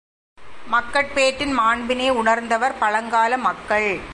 மக்கட் பேற்றின் மாண்பினை உணர்ந்தவர் பழங்கால மக்கள்.